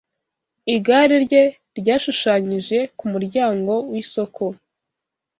Igare rye ryashushanyije ku muryango w’isoko